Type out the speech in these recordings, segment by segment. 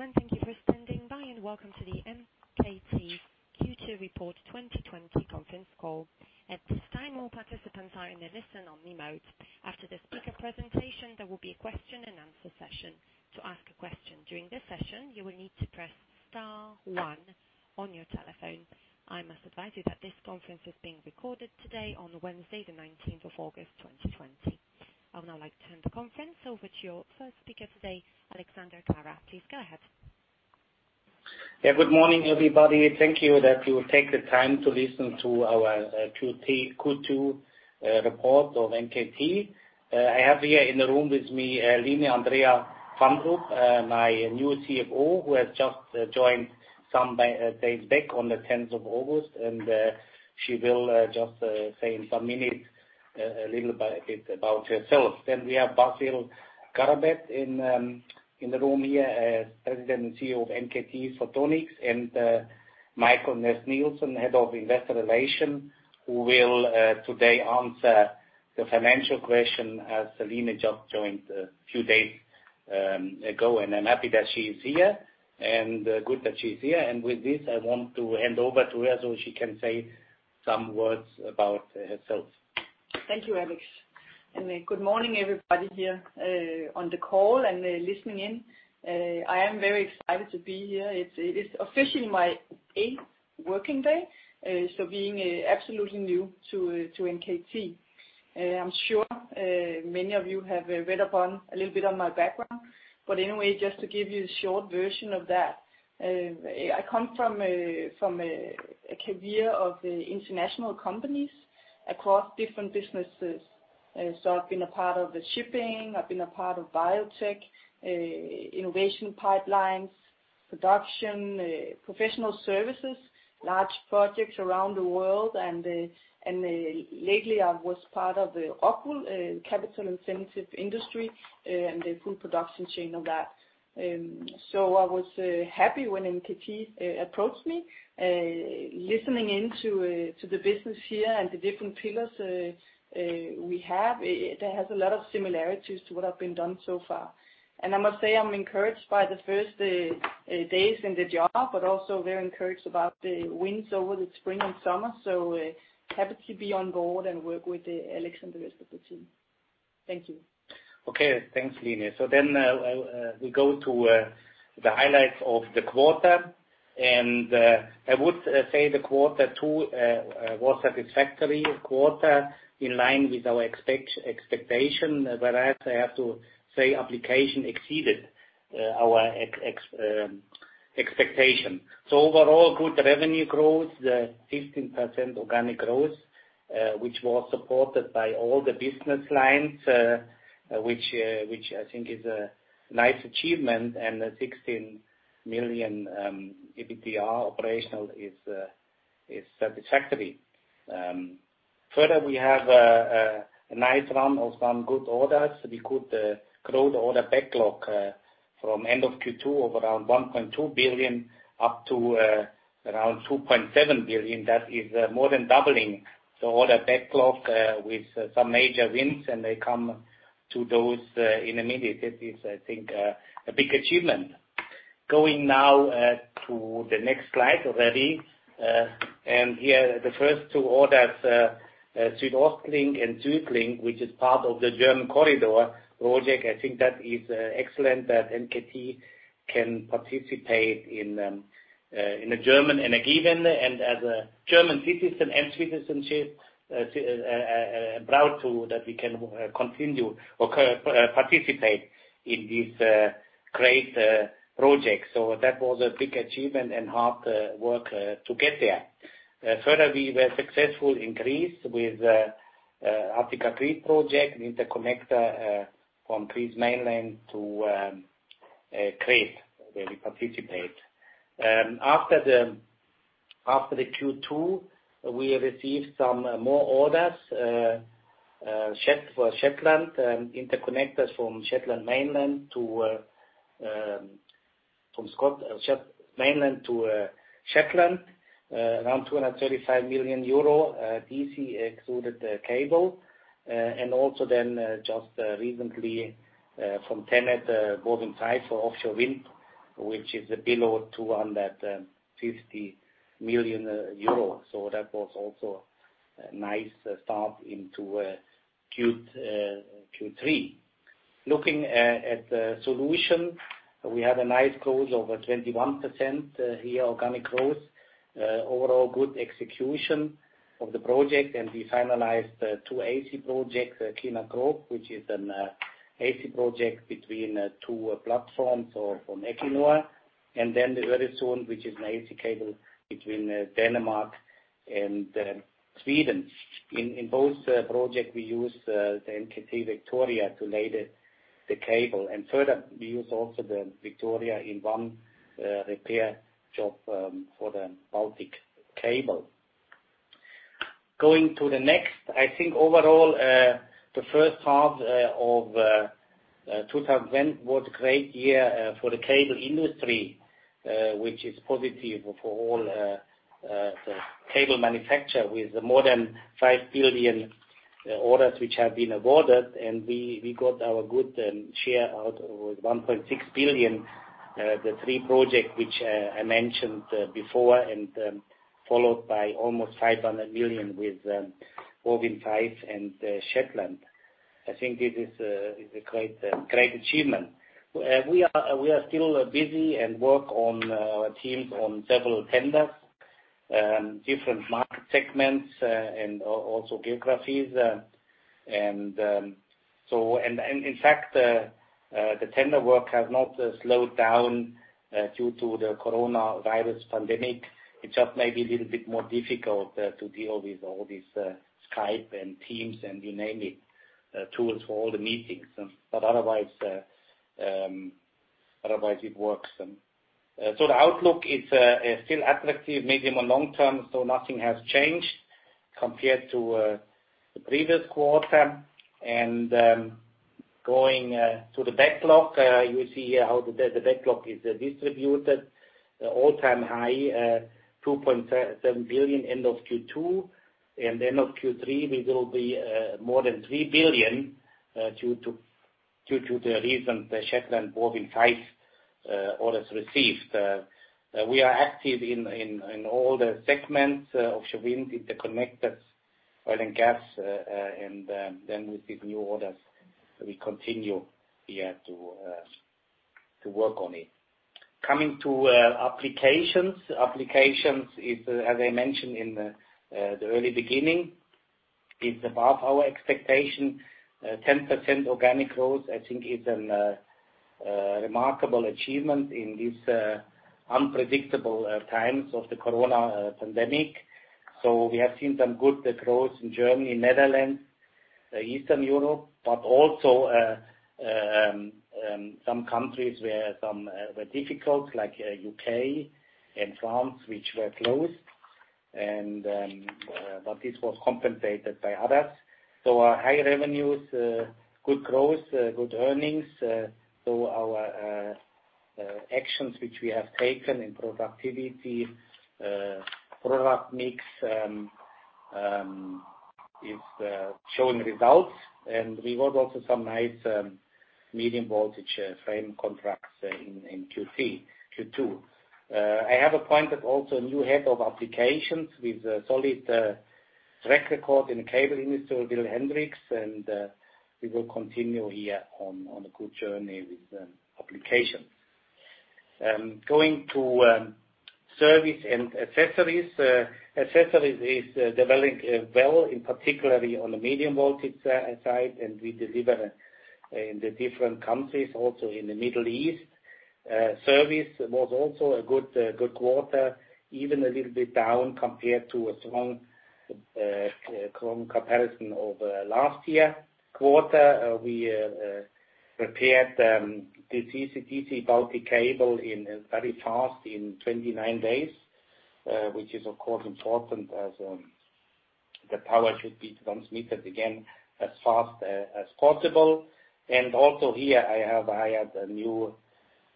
Thank you, gentlemen. Thank you for standing by, and welcome to the NKT Q2 Report 2020 conference call. At this time, all participants are in the listen-only mode. After the speaker presentation, there will be a question-and-answer session. To ask a question during this session, you will need to press star one on your telephone. I must advise you that this conference is being recorded today on Wednesday, the 19th of August, 2020. I would now like to turn the conference over to your first speaker today, Alexander Kara. Please go ahead. Yeah, good morning, everybody. Thank you that you will take the time to listen to our Q2 report of NKT. I have here in the room with me Line Andrea Fandrup, my new CFO, who has just joined some days back on the 10th of August, and she will just say in some minutes a little bit about herself. Then we have Basil Garabet in the room here, President and CEO of NKT Photonics, and Michael Nass Nielsen, Head of Investor Relations, who will today answer the financial question as Line just joined a few days ago, and I'm happy that she is here and good that she's here. And with this, I want to hand over to her so she can say some words about herself. Thank you, Alex, and good morning, everybody here on the call and listening in. I am very excited to be here. It is officially my eighth working day, so being absolutely new to NKT. I'm sure many of you have read up on a little bit on my background, but anyway, just to give you a short version of that, I come from a career of international companies across different businesses. So I've been a part of shipping, I've been a part of biotech, innovation pipelines, production, professional services, large projects around the world, and lately I was part of the Rockwool capital-intensive industry and the full production chain of that. So I was happy when NKT approached me, listening into the business here and the different pillars we have. It has a lot of similarities to what I've done so far. I must say I'm encouraged by the first days in the job, but also very encouraged about the wins over the spring and summer. Happy to be on board and work with Alex and the rest of the team. Thank you. Okay, thanks, Line. So then we go to the highlights of the quarter, and I would say the quarter two was a satisfactory quarter in line with our expectation, whereas I have to say application exceeded our expectation. So overall, good revenue growth, 15% organic growth, which was supported by all the business lines, which I think is a nice achievement, and 16 million EUR EBITDA operational is satisfactory. Further, we have a nice run of some good orders. We could grow the order backlog from end of Q2 of around 1.2 billion EUR up to around 2.7 billion EUR. That is more than doubling the order backlog with some major wins, and they come to those in a minute. It is, I think, a big achievement. Going now to the next slide already, and here the first two orders, SüdOstLink and SüdLink, which is part of the German corridor project. I think that is excellent that NKT can participate in a German energy event and as a German citizen and citizenship, proud to that we can continue or participate in this great project. That was a big achievement and hard work to get there. Further, we were successful in Greece with the Attica-Crete project, the interconnector from Greece mainland to Crete where we participate. After the Q2, we received some more orders for Shetland, interconnectors from Shetland mainland to Shetland, around 235 million euro, DC extruded cable, and also then just recently from TenneT's BorWin5 for offshore wind, which is below 250 million euros. That was also a nice start into Q3. Looking at the solution, we had a nice growth of 21% here, organic growth, overall good execution of the project, and we finalized two AC projects, Gina Krog, which is an AC project between two platforms from Equinor, and then the Öresund, which is an AC cable between Denmark and Sweden. In both projects, we used the NKT Victoria to lay the cable, and further, we used also the Victoria in one repair job for the Baltic Cable. Going to the next, I think overall the first half of 2020 was a great year for the cable industry, which is positive for all the cable manufacturers with more than five billion orders which have been awarded, and we got our good share out with 1.6 billion, the three projects which I mentioned before, and followed by almost 500 million with BorWin5 and Shetland. I think this is a great achievement. We are still busy and work on our teams on several tenders, different market segments, and also geographies. And so, in fact, the tender work has not slowed down due to the coronavirus pandemic. It's just maybe a little bit more difficult to deal with all this Skype and Teams and you name it, tools for all the meetings, but otherwise it works. So the outlook is still attractive, medium and long term, so nothing has changed compared to the previous quarter. And going to the backlog, you see how the backlog is distributed, all-time high, 2.7 billion end of Q2, and end of Q3, we will be more than 3 billion due to the recent Shetland and BorWin5 orders received. We are active in all the segments, offshore wind, interconnectors, oil and gas, and then with these new orders, we continue here to work on it. Coming to applications, applications is, as I mentioned in the early beginning, above our expectation. 10% organic growth, I think, is a remarkable achievement in these unpredictable times of the corona pandemic, so we have seen some good growth in Germany, Netherlands, Eastern Europe, but also some countries where some were difficult, like U.K and France, which were closed, but this was compensated by others. So our high revenues, good growth, good earnings, so our actions which we have taken in productivity, product mix is showing results, and we got also some nice medium voltage frame contracts in Q2. I have appointed also a new head of applications with a solid track record in the cable industry, Will Hendrikx, and we will continue here on a good journey with applications. Going to service and accessories, accessories is developing well, in particular on the medium voltage side, and we deliver in the different countries, also in the Middle East. Service was also a good quarter, even a little bit down compared to a strong comparison of last year. Quarter, we repaired the Baltic Cable very fast in 29 days, which is, of course, important as the power should be transmitted again as fast as possible. And also here, I have hired a new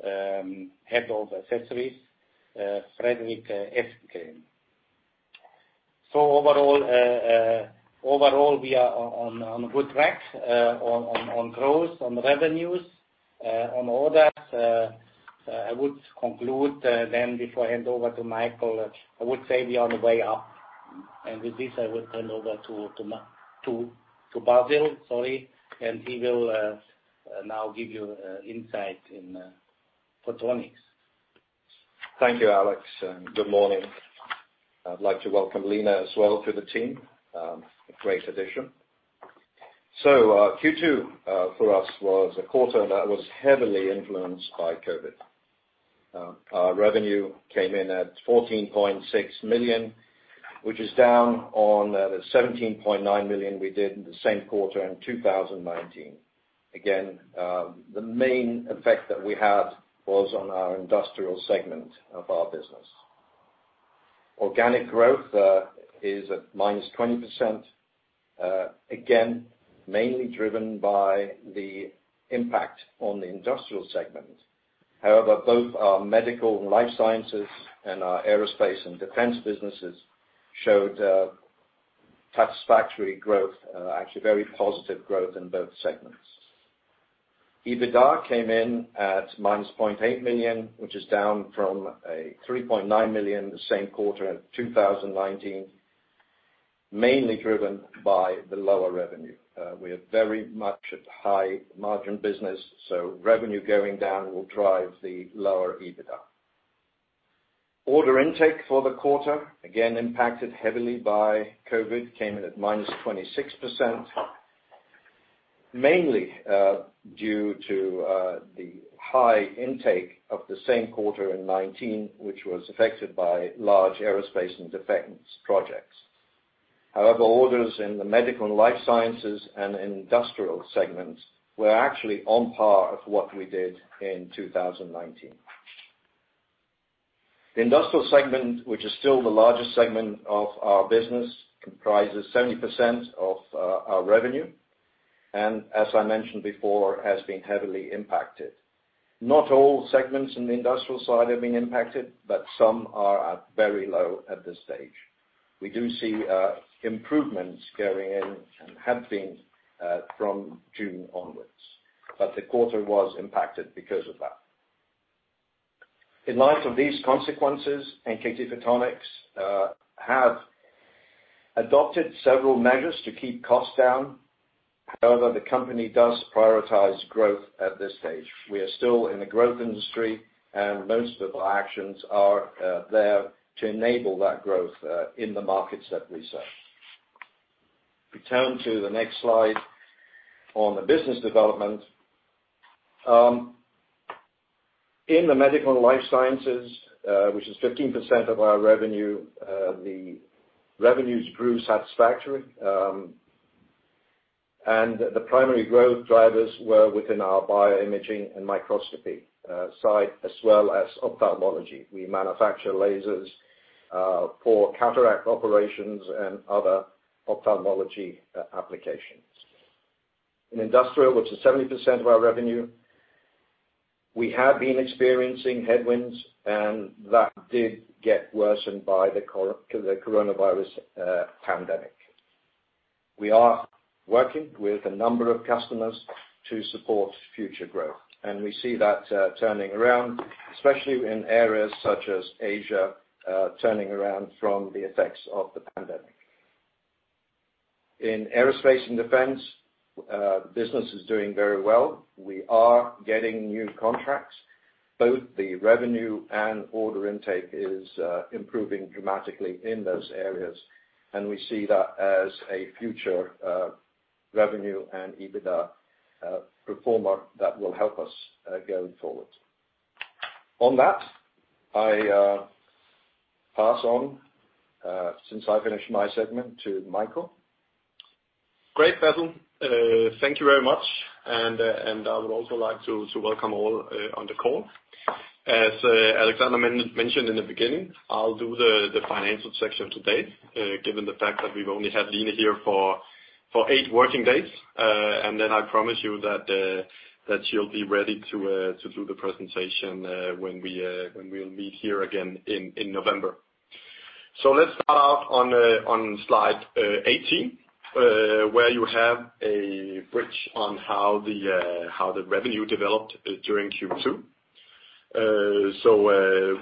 head of accessories, Fredrik Eskengren. So overall, we are on a good track on growth, on revenues, on orders. I would conclude then before I hand over to Michael. I would say we are on the way up. And with this, I would hand over to Basil, sorry, and he will now give you insight in Photonics. Thank you, Alex. Good morning. I'd like to welcome Line as well to the team. Great addition. Q2 for us was a quarter that was heavily influenced by COVID. Our revenue came in at 14.6 million, which is down on the 17.9 million we did in the same quarter in 2019. Again, the main effect that we had was on our industrial segment of our business. Organic growth is at -20%, again, mainly driven by the impact on the industrial segment. However, both our medical and life sciences and our aerospace and defense businesses showed satisfactory growth, actually very positive growth in both segments. EBITDA came in at -0.8 million, which is down from 3.9 million the same quarter of 2019, mainly driven by the lower revenue. We have very much high margin business, so revenue going down will drive the lower EBITDA. Order intake for the quarter, again, impacted heavily by COVID, came in at -26%, mainly due to the high intake of the same quarter in 2019, which was affected by large aerospace and defense projects. However, orders in the medical and life sciences and industrial segments were actually on par of what we did in 2019. The industrial segment, which is still the largest segment of our business, comprises 70% of our revenue, and as I mentioned before, has been heavily impacted. Not all segments in the industrial side have been impacted, but some are very low at this stage. We do see improvements going in and have been from June onwards, but the quarter was impacted because of that. In light of these consequences, NKT Photonics have adopted several measures to keep costs down. However, the company does prioritize growth at this stage. We are still in the growth industry, and most of our actions are there to enable that growth in the markets that we serve. Return to the next slide on the business development. In the medical and life sciences, which is 15% of our revenue, the revenues grew satisfactory, and the primary growth drivers were within our bioimaging and microscopy side, as well as ophthalmology. We manufacture lasers for cataract operations and other ophthalmology applications. In industrial, which is 70% of our revenue, we have been experiencing headwinds, and that did get worsened by the coronavirus pandemic. We are working with a number of customers to support future growth, and we see that turning around, especially in areas such as Asia, turning around from the effects of the pandemic. In aerospace and defense, business is doing very well. We are getting new contracts. Both the revenue and order intake is improving dramatically in those areas, and we see that as a future revenue and EBITDA performer that will help us go forward. On that, I pass on, since I finished my segment, to Michael. Great, Basil. Thank you very much, and I would also like to welcome all on the call. As Alexander mentioned in the beginning, I'll do the financial section today, given the fact that we've only had Line here for eight working days, and then I promise you that she'll be ready to do the presentation when we'll meet here again in November. Let's start out on slide 18, where you have a bridge on how the revenue developed during Q2.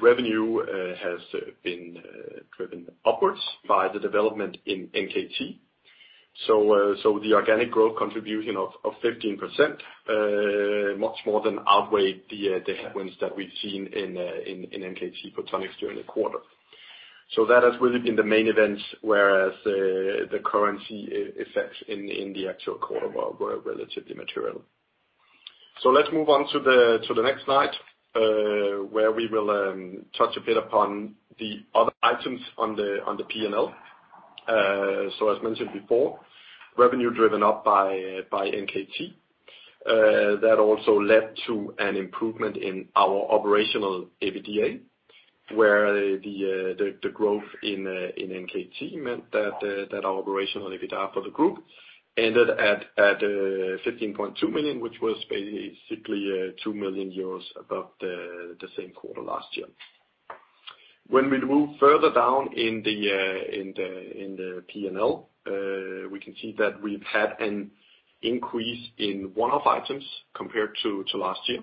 Revenue has been driven upwards by the development in NKT. The organic growth contribution of 15% much more than outweighed the headwinds that we've seen in NKT Photonics during the quarter. That has really been the main events, whereas the currency effects in the actual quarter were relatively material. So let's move on to the next slide, where we will touch a bit upon the other items on the P&L. So as mentioned before, revenue driven up by NKT. That also led to an improvement in our operational EBITDA, where the growth in NKT meant that our operational EBITDA for the group ended at 15.2 million, which was basically 2 million euros above the same quarter last year. When we move further down in the P&L, we can see that we've had an increase in one of the items compared to last year.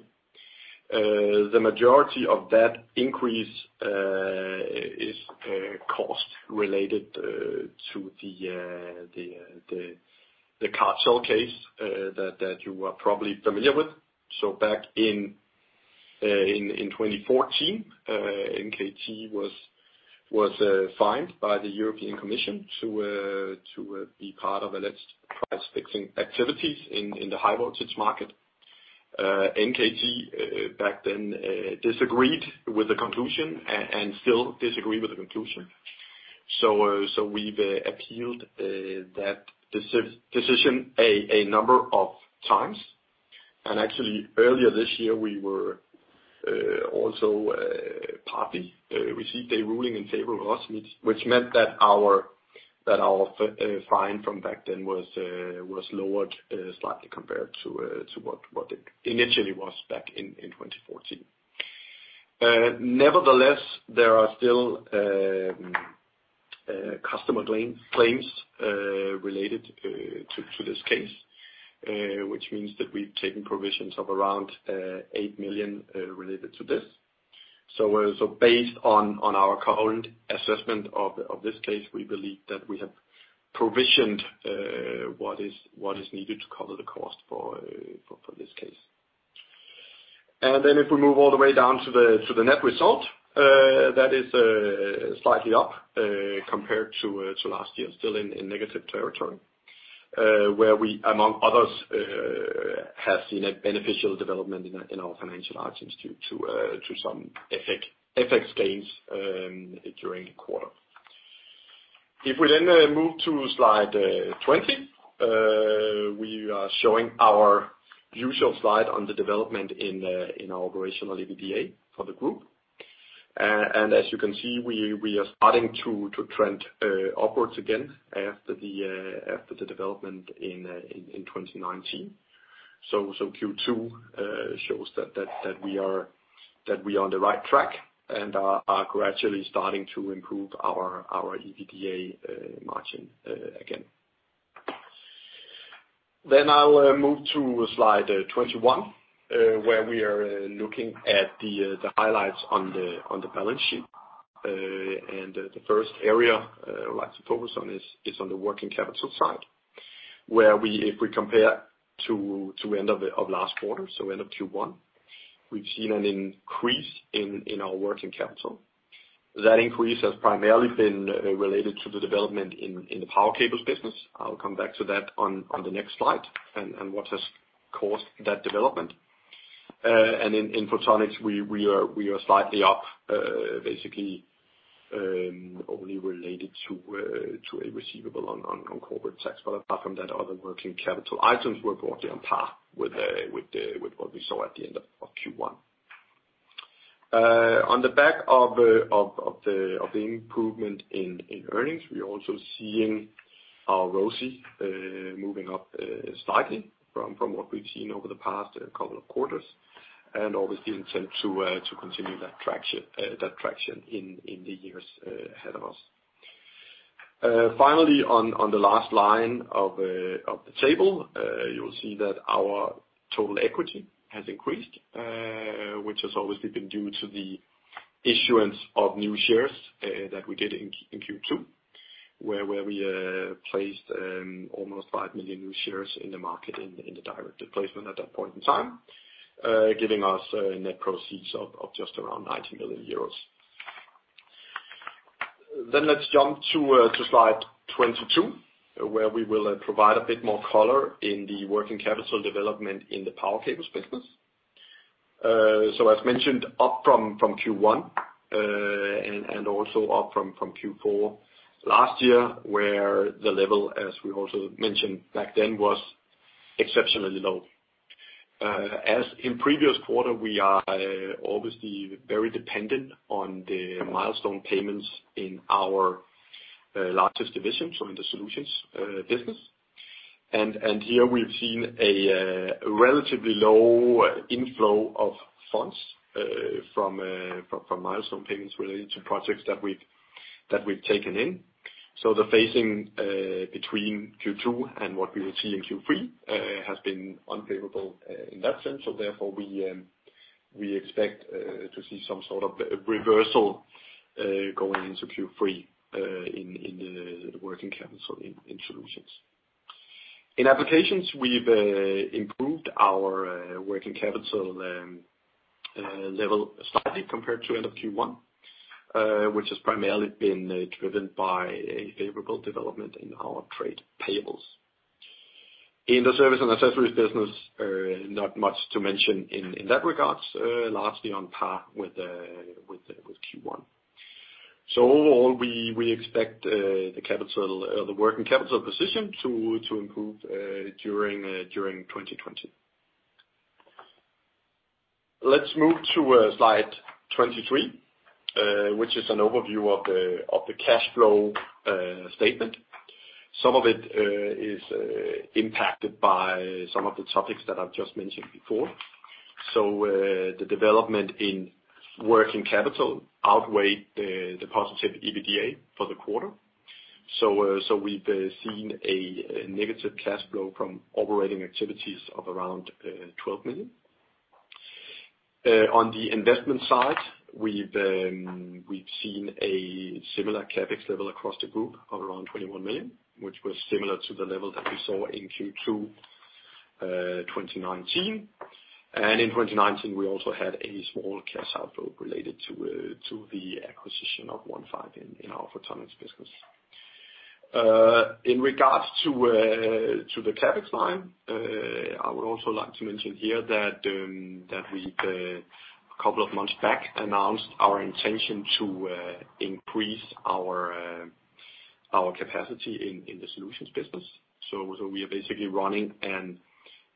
The majority of that increase is cost-related to the power cable case that you are probably familiar with. So back in 2014, NKT was fined by the European Commission to be part of alleged price-fixing activities in the high-voltage market. NKT back then disagreed with the conclusion and still disagrees with the conclusion. So we've appealed that decision a number of times. And actually, earlier this year, we were also partly received a ruling in favor of us, which meant that our fine from back then was lowered slightly compared to what it initially was back in 2014. Nevertheless, there are still customer claims related to this case, which means that we've taken provisions of around 8 million related to this. So based on our current assessment of this case, we believe that we have provisioned what is needed to cover the cost for this case. And then if we move all the way down to the net result, that is slightly up compared to last year, still in negative territory, where we, among others, have seen a beneficial development in our financial items due to some FX gains during the quarter. If we then move to slide 20, we are showing our usual slide on the development in our operational EBITDA for the group, and as you can see, we are starting to trend upwards again after the development in 2019, so Q2 shows that we are on the right track and are gradually starting to improve our EBITDA margin again. Then I'll move to slide 21, where we are looking at the highlights on the balance sheet, and the first area I'd like to focus on is on the working capital side, where if we compare to the end of last quarter, so end of Q1, we've seen an increase in our working capital. That increase has primarily been related to the development in the power cables business. I'll come back to that on the next slide and what has caused that development. In Photonics, we are slightly up, basically only related to a receivable on corporate tax. But apart from that, other working capital items were broadly on par with what we saw at the end of Q1. On the back of the improvement in earnings, we're also seeing our RoCE moving up slightly from what we've seen over the past couple of quarters, and obviously intent to continue that traction in the years ahead of us. Finally, on the last line of the table, you'll see that our total equity has increased, which has obviously been due to the issuance of new shares that we did in Q2, where we placed almost 5 million new shares in the market in the direct placement at that point in time, giving us net proceeds of just around 90 million euros. Then let's jump to slide 22, where we will provide a bit more color in the working capital development in the power cables business. So as mentioned, up from Q1 and also up from Q4 last year, where the level, as we also mentioned back then, was exceptionally low. As in previous quarter, we are obviously very dependent on the milestone payments in our largest division, so in the solutions business. And here we've seen a relatively low inflow of funds from milestone payments related to projects that we've taken in. So the phasing between Q2 and what we will see in Q3 has been unfavorable in that sense. So therefore, we expect to see some sort of reversal going into Q3 in the working capital in solutions. In applications, we've improved our working capital level slightly compared to end of Q1, which has primarily been driven by a favorable development in our trade payables. In the service and accessories business, not much to mention in that regard, largely on par with Q1. So overall, we expect the working capital position to improve during 2020. Let's move to slide 23, which is an overview of the cash flow statement. Some of it is impacted by some of the topics that I've just mentioned before. So the development in working capital outweighed the positive EBITDA for the quarter. So we've seen a negative cash flow from operating activities of around 12 million. On the investment side, we've seen a similar CapEx level across the group of around 21 million, which was similar to the level that we saw in Q2 2019. In 2019, we also had a small cash outflow related to the acquisition of Onefive in our Photonics business. In regards to the CapEx line, I would also like to mention here that we, a couple of months back, announced our intention to increase our capacity in the solutions business. We are basically running an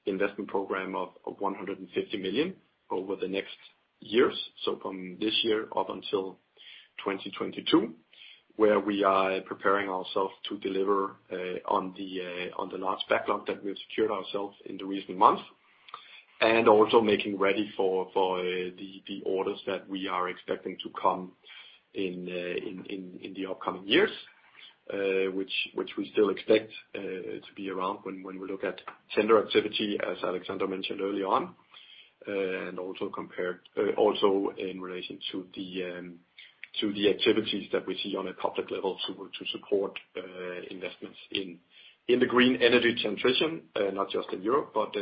investment program of 150 million over the next years, so from this year up until 2022, where we are preparing ourselves to deliver on the large backlog that we've secured ourselves in the recent months, and also making ready for the orders that we are expecting to come in the upcoming years, which we still expect to be around when we look at tender activity, as Alexander mentioned earlier on, and also in relation to the activities that we see on a public level to support investments in the green energy transition, not just in Europe, but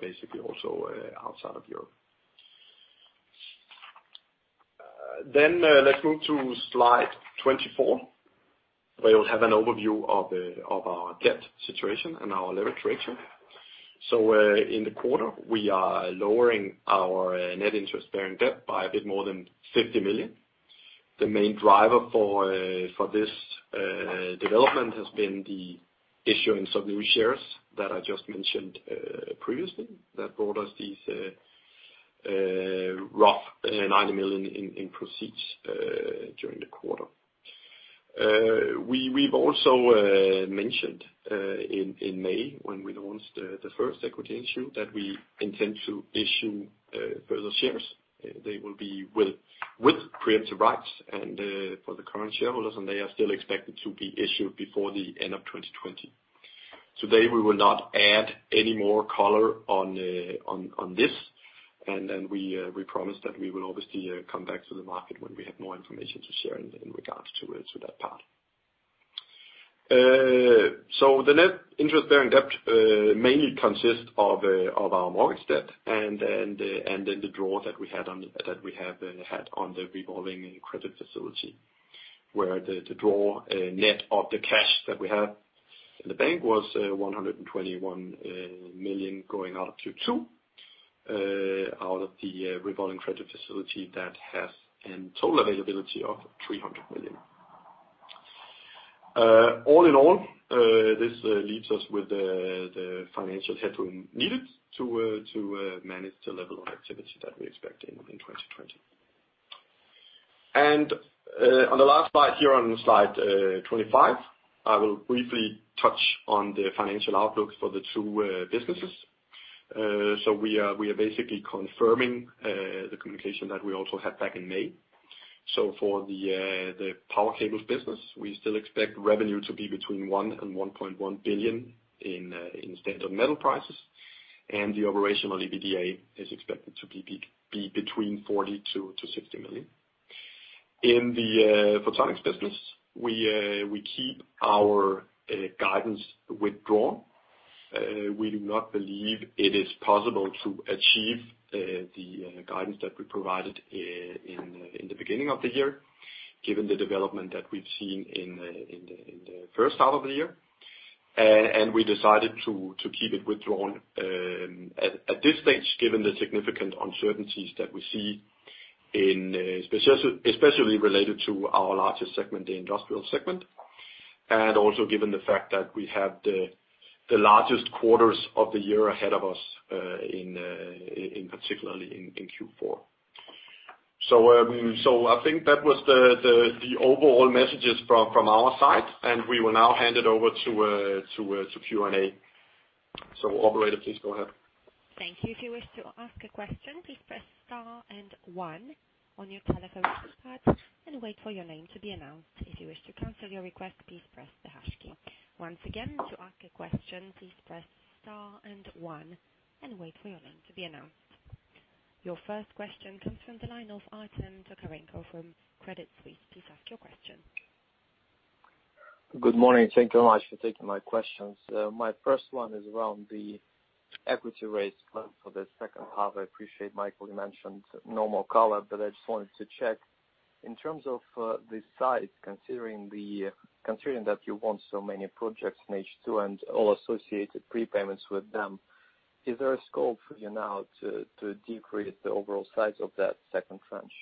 basically also outside of Europe. Then let's move to slide 24, where we'll have an overview of our debt situation and our leverage ratio. In the quarter, we are lowering our net interest-bearing debt by a bit more than 50 million. The main driver for this development has been the issuance of new shares that I just mentioned previously that brought us these roughly 9 million in proceeds during the quarter. We've also mentioned in May, when we launched the first equity issue, that we intend to issue further shares. They will be with preemptive rights for the current shareholders, and they are still expected to be issued before the end of 2020. Today, we will not add any more color on this, and then we promise that we will obviously come back to the market when we have more information to share in regards to that part. The net interest-bearing debt mainly consists of our mortgage debt and then the draw that we have had on the revolving credit facility, where the draw net of the cash that we have in the bank was 121 million going out of Q2 out of the revolving credit facility that has a total availability of 300 million. All in all, this leaves us with the financial headroom needed to manage the level of activity that we expect in 2020. And on the last slide here, on slide 25, I will briefly touch on the financial outlook for the two businesses. So we are basically confirming the communication that we also had back in May. So for the power cables business, we still expect revenue to be between 1 billion and 1.1 billion in standard metal prices, and the operational EBITDA is expected to be between 40 million and 60 million. In the Photonics business, we keep our guidance withdrawn. We do not believe it is possible to achieve the guidance that we provided in the beginning of the year, given the development that we've seen in the first half of the year. And we decided to keep it withdrawn at this stage, given the significant uncertainties that we see, especially related to our largest segment, the industrial segment, and also given the fact that we have the largest quarters of the year ahead of us, particularly in Q4. So I think that was the overall messages from our side, and we will now hand it over to Q&A. So operator, please go ahead. Thank you. If you wish to ask a question, please press star and one on your telephone keypad and wait for your name to be announced. If you wish to cancel your request, please press the hash key. Once again, to ask a question, please press star and one and wait for your name to be announced. Your first question comes from Artem Tokarenko from Credit Suisse. Please ask your question. Good morning. Thank you very much for taking my questions. My first one is around the equity raise plan for the second half. I appreciate, Michael, you mentioned no more color, but I just wanted to check. In terms of the size, considering that you want so many projects in H2 and all associated prepayments with them, is there a scope for you now to decrease the overall size of that second tranche?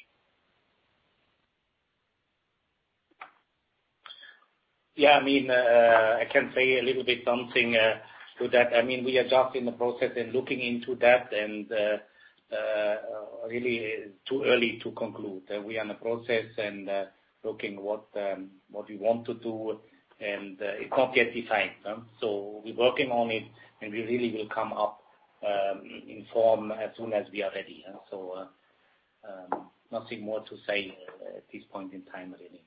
Yeah. I mean, I can say a little bit something to that. I mean, we are just in the process and looking into that, and really too early to conclude. We are in the process and looking at what we want to do, and it's not yet defined. So we're working on it, and we really will come up in form as soon as we are ready. So nothing more to say at this point in time, really.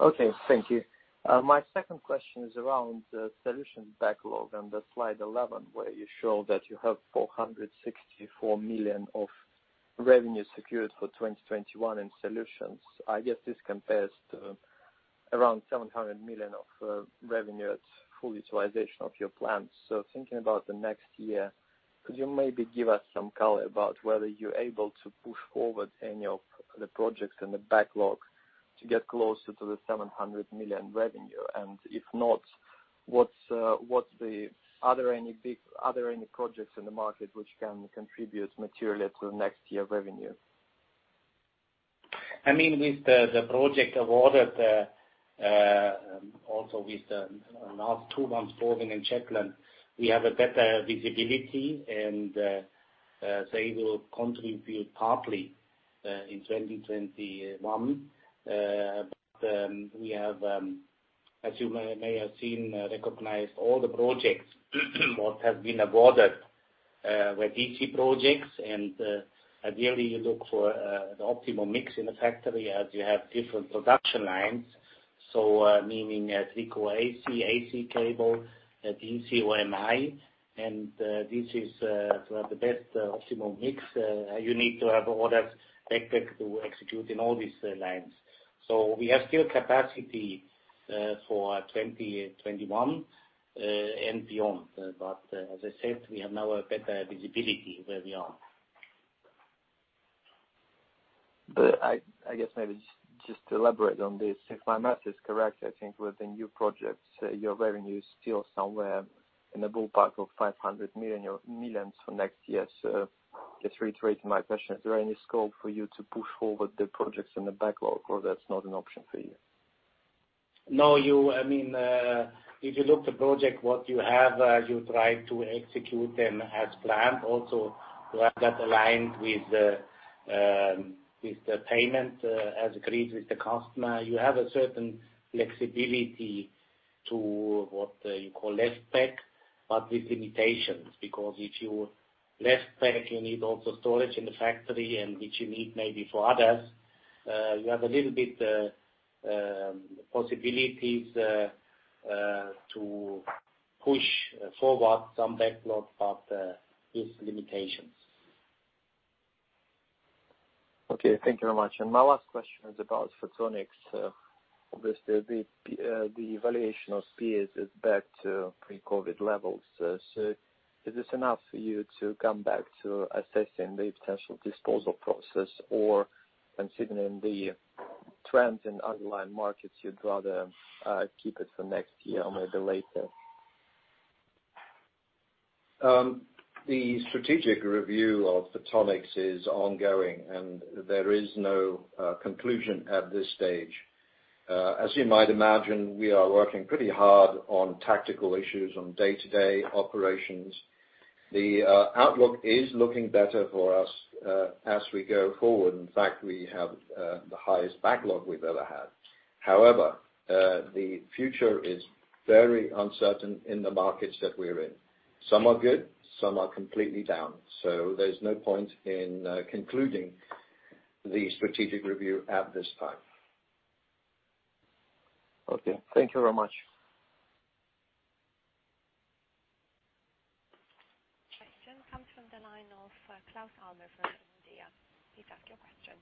Okay. Thank you. My second question is around the solutions backlog and Slide 11, where you show that you have 464 million of revenue secured for 2021 in solutions. I guess this compares to around 700 million of revenue at full utilization of your plan. So thinking about the next year, could you maybe give us some color about whether you're able to push forward any of the projects in the backlog to get closer to the 700 million revenue? And if not, what's the other any projects in the market which can contribute materially to next year's revenue? I mean, with the project awarded, also with the last two months' ordering in Karlskrona, we have a better visibility, and they will contribute partly in 2021. But we have, as you may have seen, recognized all the projects that have been awarded, where DC projects, and ideally, you look for the optimal mix in the factory as you have different production lines. So meaning a 3C, AC cable, DC, or MI, and this is the best optimal mix. You need to have order backlog to execute in all these lines. So we have still capacity for 2021 and beyond. But as I said, we have now a better visibility where we are. I guess maybe just to elaborate on this, if my math is correct, I think with the new projects, your revenue is still somewhere in the ballpark of 500 million for next year. So just reiterating my question, is there any scope for you to push forward the projects in the backlog, or that's not an option for you? No. I mean, if you look at the project, what you have, you try to execute them as planned. Also, you have that aligned with the payment as agreed with the customer. You have a certain flexibility to what you call backlog, but with limitations. Because if you backlog, you need also storage in the factory, which you need maybe for others. You have a little bit of possibilities to push forward some backlog, but with limitations. Okay. Thank you very much, and my last question is about Photonics. Obviously, the evaluation of PE is back to pre-COVID levels, so is this enough for you to come back to assessing the potential disposal process, or considering the trends in underlying markets, you'd rather keep it for next year or maybe later? The strategic review of Photonics is ongoing, and there is no conclusion at this stage. As you might imagine, we are working pretty hard on tactical issues on day-to-day operations. The outlook is looking better for us as we go forward. In fact, we have the highest backlog we've ever had. However, the future is very uncertain in the markets that we're in. Some are good. Some are completely down. So there's no point in concluding the strategic review at this time. Okay. Thank you very much. Question comes from the line of Claus Almer, from Nordea. Please ask your question.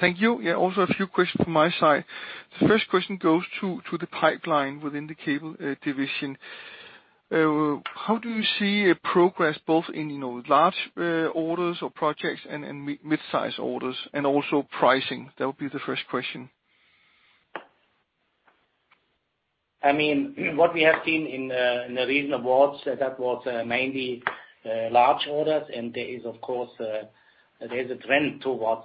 Thank you. Yeah. Also, a few questions from my side. The first question goes to the pipeline within the cable division. How do you see progress both in large orders or projects and mid-size orders, and also pricing? That would be the first question. I mean, what we have seen in the recent awards, that was mainly large orders, and there is, of course, there's a trend towards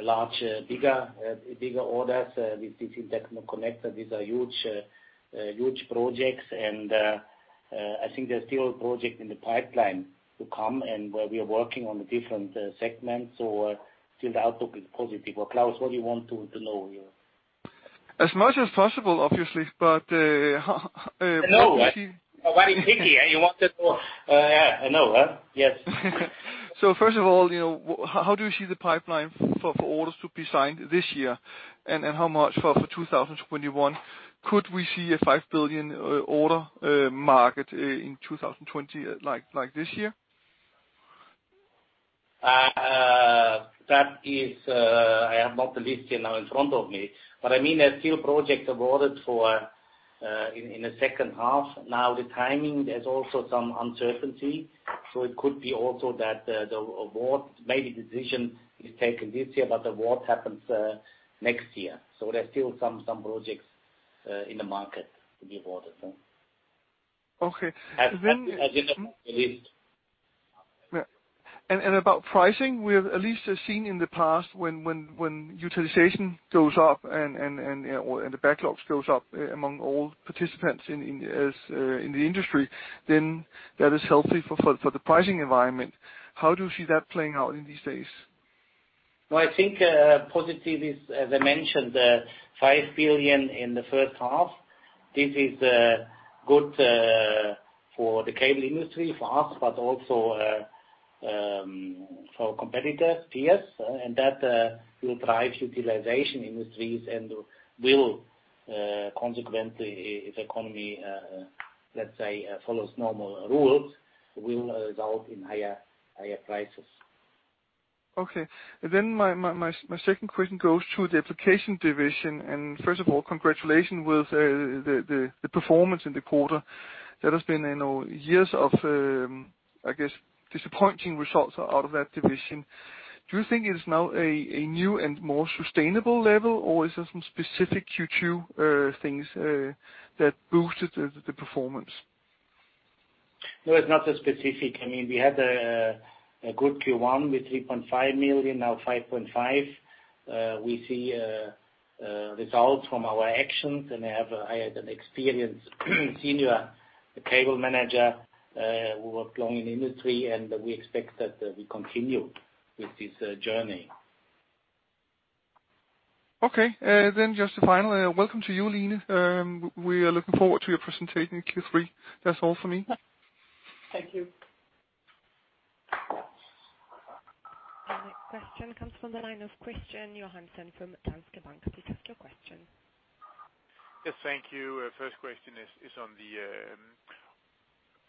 larger, bigger orders with this interconnect connector. These are huge projects, and I think there's still a project in the pipeline to come, and where we are working on the different segments. So still, the outlook is positive. But Claus, what do you want to know here? As much as possible, obviously, but. I know. Very picky. You want to know. Yeah. I know. Yes. First of all, how do you see the pipeline for orders to be signed this year, and how much for 2021? Could we see a 5 billion order market in 2020 like this year? That is, I have not the list here now in front of me, but I mean, there's still projects awarded in the second half. Now, the timing, there's also some uncertainty. So it could be also that the award, maybe decision is taken this year, but the award happens next year. So there's still some projects in the market to be awarded. Okay. Then. As in the market list. Yeah. And about pricing, we have at least seen in the past when utilization goes up and the backlogs go up among all participants in the industry, then that is healthy for the pricing environment. How do you see that playing out in these days? I think positive is, as I mentioned, 5 billion in the first half. This is good for the cable industry, for us, but also for competitors, peers, and that will drive utilization industries and will consequently, if the economy, let's say, follows normal rules, will result in higher prices. Okay, then my second question goes to the Applications division, and first of all, congratulations with the performance in the quarter. That has been years of, I guess, disappointing results out of that division. Do you think it's now a new and more sustainable level, or is there some specific Q2 things that boosted the performance? No, it's not so specific. I mean, we had a good Q1 with 3.5 million, now 5.5. We see results from our actions, and I have an experienced senior cable manager who worked long in the industry, and we expect that we continue with this journey. Okay. Then just to finally, welcome to you, Line. We are looking forward to your presentation in Q3. That's all for me. Thank you. Question comes from the line of Kristian Tornøe Johansen from Danske Bank. Please ask your question. Yes. Thank you. First question is on the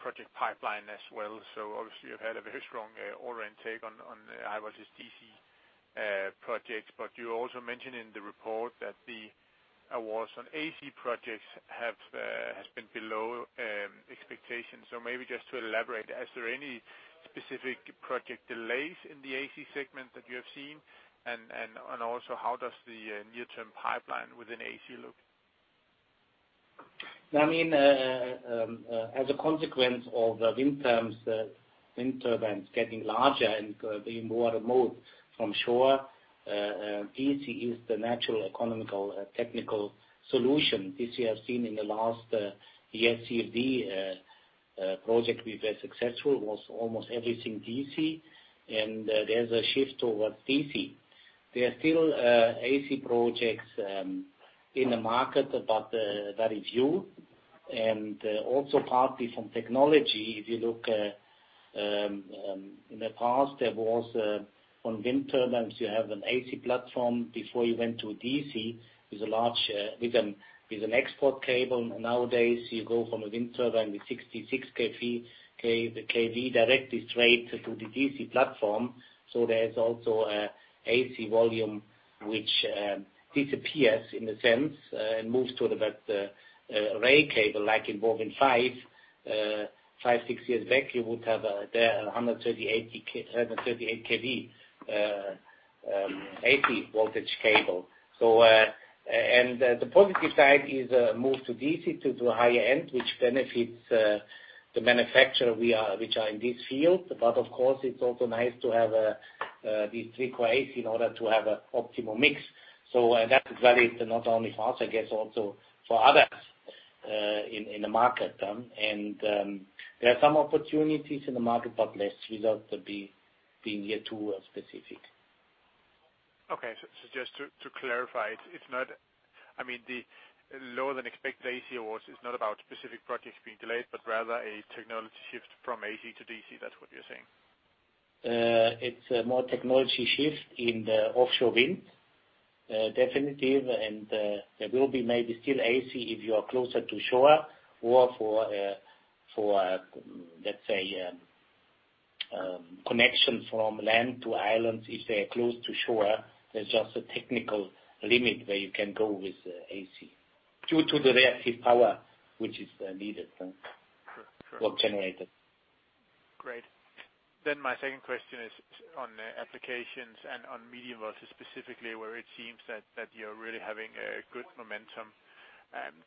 project pipeline as well. So obviously, you've had a very strong order intake on NKT's DC projects, but you also mentioned in the report that the awards on AC projects have been below expectations. So maybe just to elaborate, is there any specific project delays in the AC segment that you have seen, and also how does the near-term pipeline within AC look? I mean, as a consequence of the wind turbines getting larger and being more remote from shore, DC is the natural economical technical solution. This we have seen in the last HVDC project we've been successful, almost everything DC, and there's a shift towards DC. There are still AC projects in the market, but very few. Also partly from technology, if you look in the past, there was on wind turbines, you have an AC platform before you went to DC with an export cable. Nowadays, you go from a wind turbine with 66 kV directly straight to the DC platform. So there's also an AC volume which disappears in a sense and moves to the array cable like in BorWin5. Five, six years back, you would have 138 kV AC voltage cable. And the positive side is a move to DC to the higher end, which benefits the manufacturer which are in this field. But of course, it's also nice to have these AC in order to have an optimal mix. So that's valid not only for us, I guess, also for others in the market. And there are some opportunities in the market, but let's without being too specific here. Okay. So just to clarify, it's not, I mean, the lower-than-expected AC awards, it's not about specific projects being delayed, but rather a technology shift from AC to DC. That's what you're saying. It's a more technology shift in the offshore wind, definitely, and there will be maybe still AC if you are closer to shore or for, let's say, connection from land to islands. If they are close to shore, there's just a technical limit where you can go with AC due to the reactive power which is needed or generated. Great. Then my second question is on applications and on medium voltage specifically where it seems that you're really having a good momentum.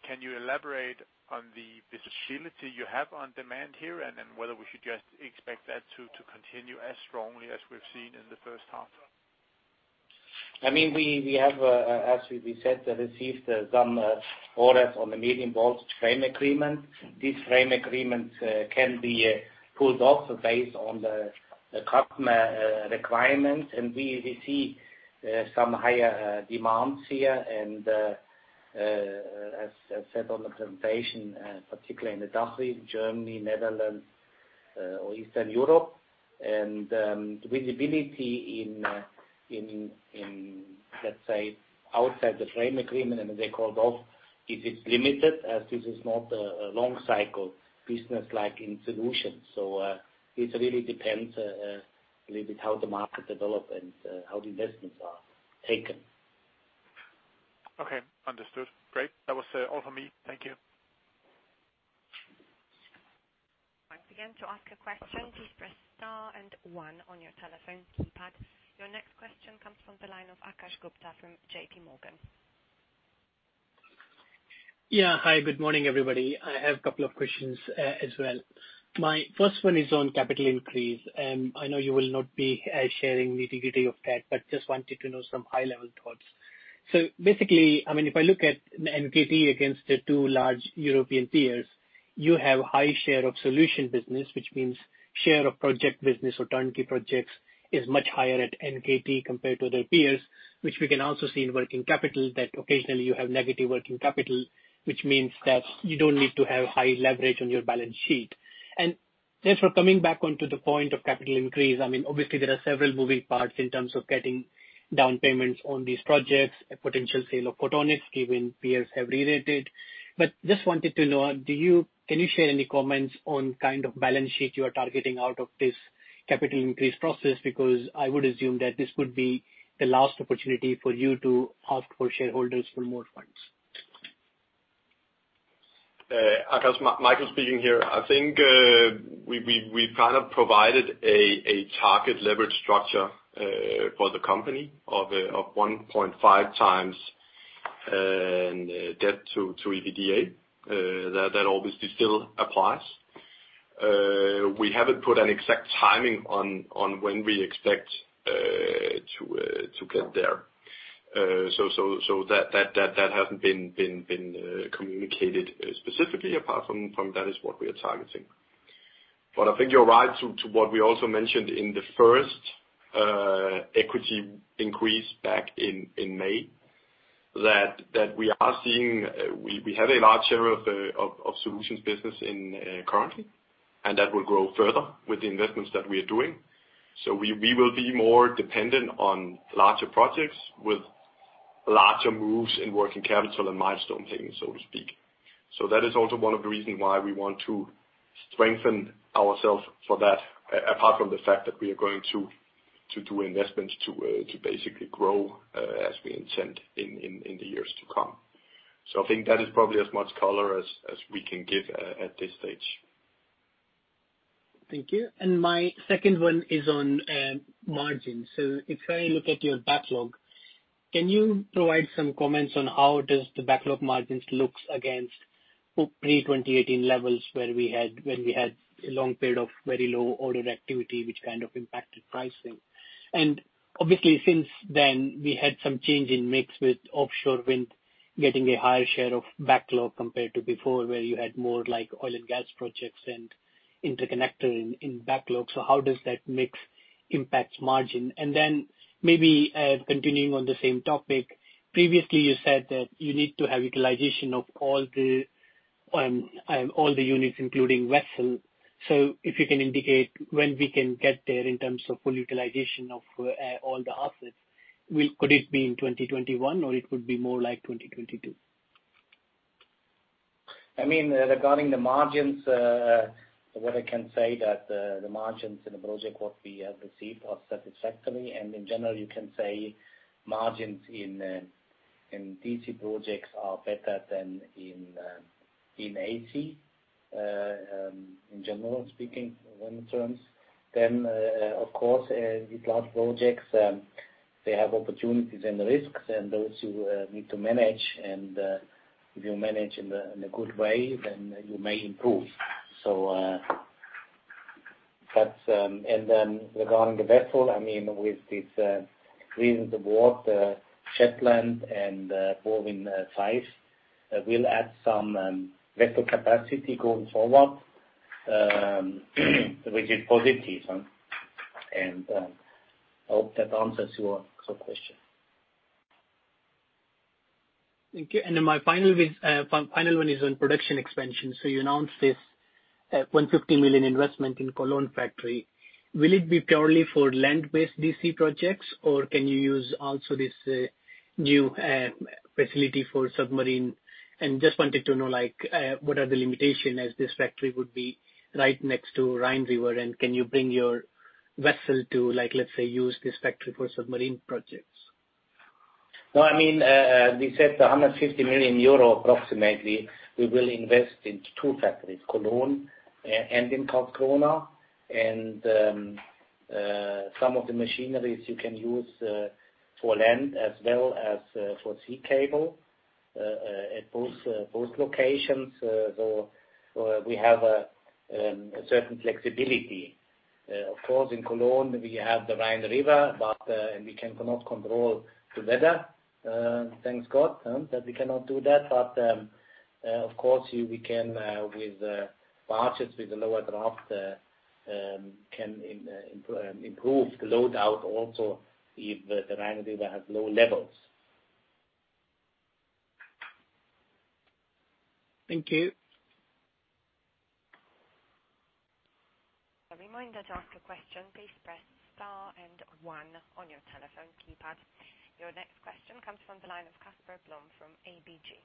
Can you elaborate on the facility you have in Denmark here and whether we should just expect that to continue as strongly as we've seen in the first half? I mean, we have, as we said, received some orders on the medium voltage frame agreement. This frame agreement can be pulled off based on the customer requirements, and we see some higher demands here. As I said on the presentation, particularly in the Dutch region, Germany, Netherlands, or Eastern Europe, the visibility in, let's say, outside the frame agreement and the call-off is limited as this is not a long-cycle business like in solutions. It really depends a little bit how the market develops and how the investments are taken. Okay. Understood. Great. That was all for me. Thank you. Once again, to ask a question, please press star and one on your telephone keypad. Your next question comes from the line of Akash Gupta from JPMorgan. Yeah. Hi. Good morning, everybody. I have a couple of questions as well. My first one is on capital increase. I know you will not be sharing the nitty-gritty of that, but just wanted to know some high-level thoughts. So basically, I mean, if I look at NKT against the two large European peers, you have a high share of solution business, which means the share of project business or turnkey projects is much higher at NKT compared to their peers, which we can also see in working capital that occasionally you have negative working capital, which means that you don't need to have high leverage on your balance sheet. And just for coming back onto the point of capital increase, I mean, obviously, there are several moving parts in terms of getting down payments on these projects, a potential sale of Photonics given peers have re-rated. Just wanted to know, can you share any comments on the kind of balance sheet you are targeting out of this capital increase process? Because I would assume that this would be the last opportunity for you to ask shareholders for more funds. Michael speaking here. I think we've kind of provided a target leverage structure for the company of 1.5 times debt to EBITDA. That obviously still applies. We haven't put an exact timing on when we expect to get there. So that hasn't been communicated specifically. Apart from that, it's what we are targeting. But I think you're right to what we also mentioned in the first equity increase back in May, that we are seeing we have a large share of solutions business currently, and that will grow further with the investments that we are doing. So we will be more dependent on larger projects with larger moves in working capital and milestone things, so to speak. So that is also one of the reasons why we want to strengthen ourselves for that, apart from the fact that we are going to do investments to basically grow as we intend in the years to come. So I think that is probably as much color as we can give at this stage. Thank you. And my second one is on margins. So if I look at your backlog, can you provide some comments on how does the backlog margins look against pre-2018 levels when we had a long period of very low order activity, which kind of impacted pricing? And obviously, since then, we had some change in mix with offshore wind getting a higher share of backlog compared to before, where you had more oil and gas projects and interconnector in backlog. So how does that mix impact margin? And then maybe continuing on the same topic, previously, you said that you need to have utilization of all the units, including vessel. So if you can indicate when we can get there in terms of full utilization of all the assets, could it be in 2021, or it would be more like 2022? I mean, regarding the margins, what I can say is that the margins in the project what we have received are satisfactory, and in general, you can say margins in DC projects are better than in AC, in general speaking, wind terms. Then, of course, these large projects, they have opportunities and risks, and those you need to manage, and if you manage in a good way, then you may improve. So that's. And then regarding the vessel, I mean, with this recent award, Shetland and BorWin5 will add some vessel capacity going forward, which is positive, and I hope that answers your question. Thank you. And then my final one is on production expansion. So you announced this 150 million investment in Cologne factory. Will it be purely for land-based DC projects, or can you use also this new facility for submarine? And just wanted to know what are the limitations as this factory would be right next to Rhine River, and can you bring your vessel to, let's say, use this factory for submarine projects? Well, I mean, they said approximately 150 million euro. We will invest in two factories, Cologne and Karlskrona, and some of the machinery you can use for land as well as for sea cable at both locations. So we have a certain flexibility. Of course, in Cologne, we have the Rhine River, and we cannot control the weather, thank God, that we cannot do that. But of course, we can, with barges, with the lower draft, can improve the load out also if the Rhine River has low levels. Thank you. A reminder to ask a question. Please press star and one on your telephone keypad. Your next question comes from the line of Casper Blom from ABG.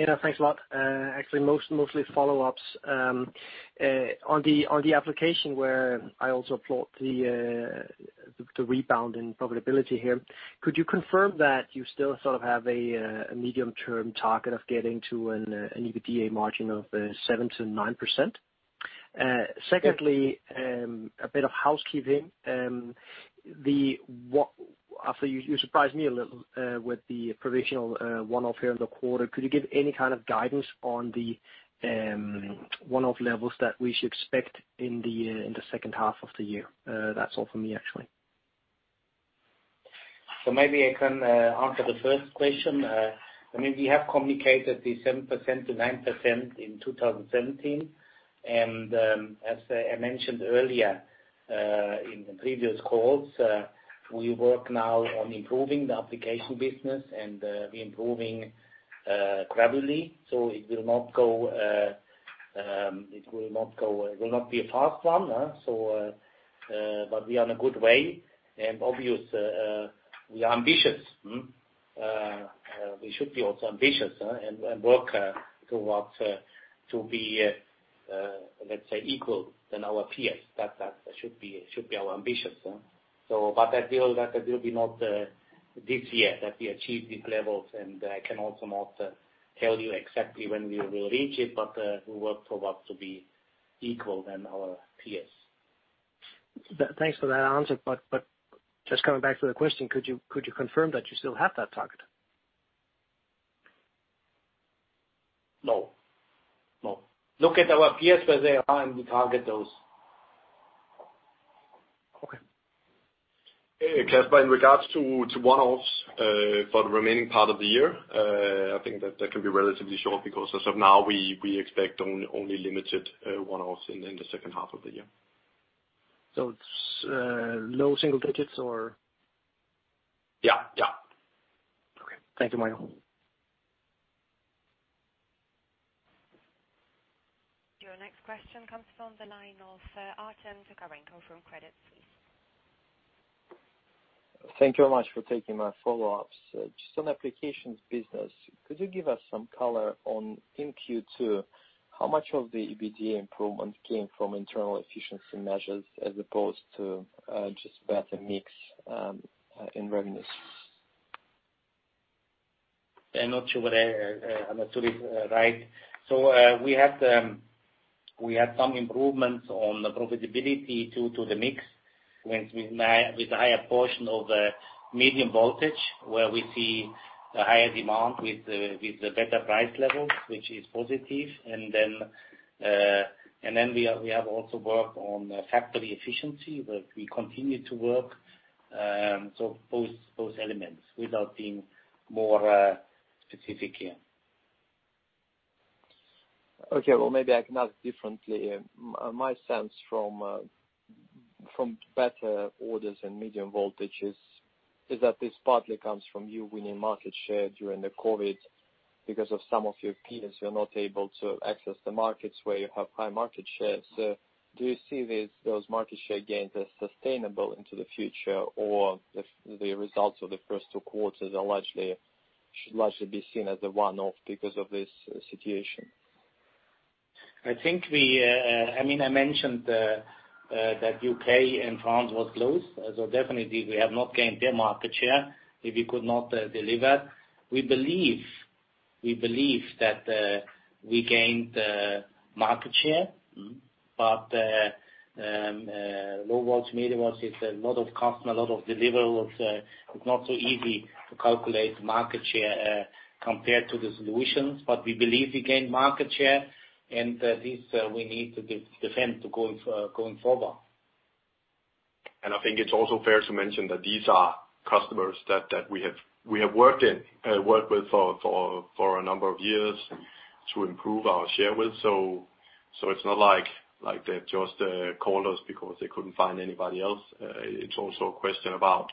Yeah. Thanks a lot. Actually, mostly follow-ups. On the application where I also plot the rebound and profitability here, could you confirm that you still sort of have a medium-term target of getting to an EBITDA margin of 7%-9%? Secondly, a bit of housekeeping. After you surprised me a little with the provisional one-off here in the quarter, could you give any kind of guidance on the one-off levels that we should expect in the second half of the year? That's all for me, actually. So maybe I can answer the first question. I mean, we have communicated the 7%-9% in 2017. And as I mentioned earlier in the previous calls, we work now on improving the application business, and we're improving gradually. So it will not go, it will not be a fast one, but we are in a good way. And obviously, we are ambitious. We should be also ambitious and work towards to be, let's say, equal than our peers. That should be our ambition. But that will be not this year that we achieve these levels. And I can also not tell you exactly when we will reach it, but we work towards to be equal than our peers. Thanks for that answer. But just coming back to the question, could you confirm that you still have that target? No. No. Look at our peers where they are and we target those. Okay. Kjell, but in regards to one-offs for the remaining part of the year, I think that can be relatively short because as of now, we expect only limited one-offs in the second half of the year. So low single digits, or? Yeah. Yeah. Okay. Thank you, Michael. Your next question comes from the line of Artem Tokarenko from Credit Suisse. Thank you very much for taking my follow-ups. Just on applications business, could you give us some color on, in Q2, how much of the EBITDA improvement came from internal efficiency measures as opposed to just better mix in revenues? I'm not sure whether I'm absolutely right. So we had some improvements on the profitability due to the mix. With a higher portion of medium-voltage where we see the higher demand with better price levels, which is positive. And then we have also worked on factory efficiency where we continue to work. So both elements without being more specific here. Okay. Maybe I can ask differently. My sense from better orders and medium voltage is that this partly comes from you winning market share during the COVID because of some of your peers who are not able to access the markets where you have high market shares. Do you see those market share gains as sustainable into the future, or the results of the first two quarters should largely be seen as a one-off because of this situation? I think, I mean, I mentioned that U.K. and France were closed. So definitely, we have not gained their market share if we could not deliver. We believe that we gained market share, but low voltage, medium voltage, a lot of customers, a lot of deliverables. It's not so easy to calculate market share compared to the solutions, but we believe we gained market share, and this we need to defend going forward. And I think it's also fair to mention that these are customers that we have worked with for a number of years to improve our share with. So it's not like they've just called us because they couldn't find anybody else. It's also a question about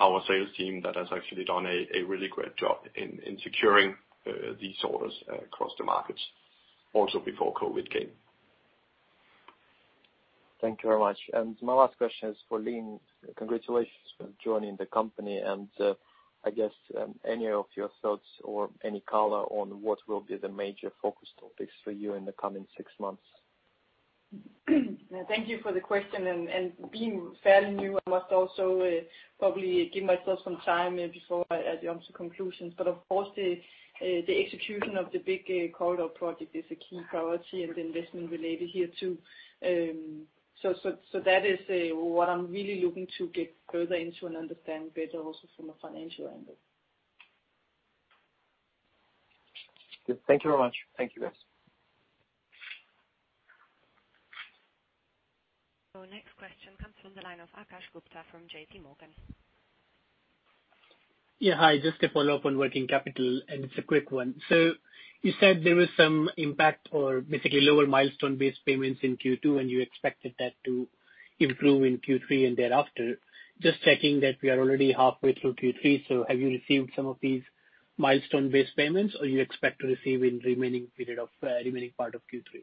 our sales team that has actually done a really great job in securing these orders across the markets, also before COVID came. Thank you very much. And my last question is for Line. Congratulations for joining the company. And I guess any of your thoughts or any color on what will be the major focus topics for you in the coming six months? Thank you for the question. And being fairly new, I must also probably give myself some time before I jump to conclusions. But of course, the execution of the big corridor project is a key priority and investment-related here too. So that is what I'm really looking to get further into and understand better also from a financial angle. Thank you very much. Thank you, guys. Your next question comes from the line of Akash Gupta from JPMorgan. Yeah. Hi. Just a follow-up on working capital, and it's a quick one. So you said there was some impact or basically lower milestone-based payments in Q2, and you expected that to improve in Q3 and thereafter. Just checking that we are already halfway through Q3. So have you received some of these milestone-based payments, or do you expect to receive in remaining part of Q3?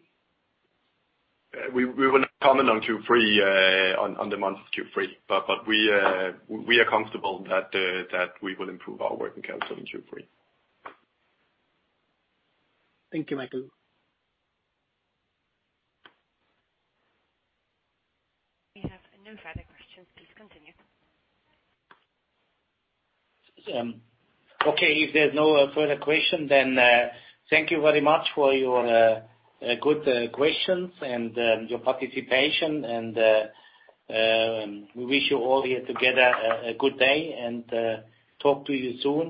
We will not comment on Q3, on the month of Q3, but we are comfortable that we will improve our working capital in Q3. Thank you, Michael. We have no further questions. Please continue. Okay. If there's no further question, then thank you very much for your good questions and your participation. And we wish you all here together a good day and talk to you soon.